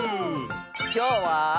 きょうは。